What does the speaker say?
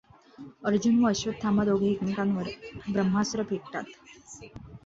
अर्जुन व अश्वत्थामा दोघे एकमेकांवर ब्रह्मास्त्र फेकतात.